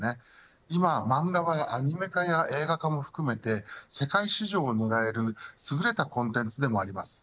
今、漫画はアニメ化や映画化も含めて世界市場を狙えるすぐれたコンテンツでもあります。